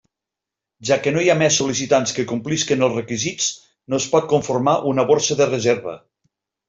Ja que no hi ha més sol·licitants que complisquen els requisits no es pot conformar una borsa de reserva.